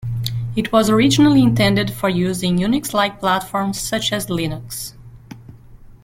It was originally intended for use in Unix-like platforms such as Linux.